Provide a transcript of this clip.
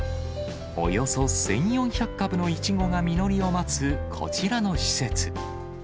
およそ１４００株のイチゴが実りを待つこちらの施設。